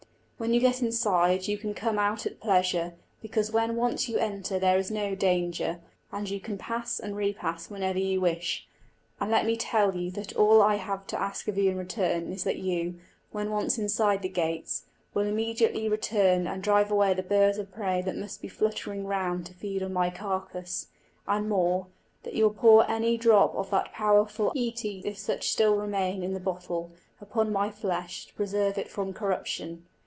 When you get inside you can come out at pleasure; because when once you enter there is no danger, and you can pass and repass whenever you wish; and let me tell you that all I have to ask of you in return is that you, when once inside the gates, will immediately return and drive away the birds of prey that may be fluttering round to feed on my carcass; and more, that you will pour any drop of that powerful íce, if such still remain in the bottle, upon my flesh, to preserve it from corruption.